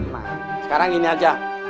nah sekarang gini aja